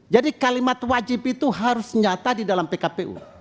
jadi kalimat wajib itu harus nyata di dalam pkpu